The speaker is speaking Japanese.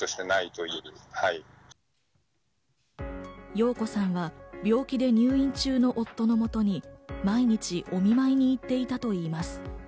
陽子さんは病気で入院中の夫の元に、毎日お見舞いに行っていたといいます。